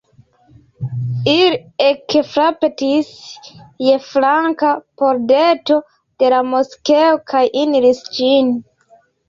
Ili ekfrapetis je flanka pordeto de la moskeo kaj eniris ĝin.